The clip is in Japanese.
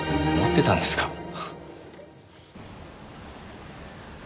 持ってたんですか？